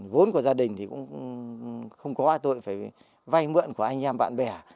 vốn của gia đình thì cũng không có ai tôi phải vay mượn của anh em bạn bè